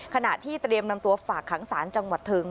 ขณะที่เตรียมนำตัวฝากขังศาลจังหวัดเทิง